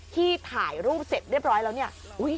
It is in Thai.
ที่ถ่ายรูปเสร็จเรียบร้อยแล้วเนี่ย